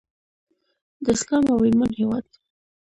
د اسلام او ایمان هیواد.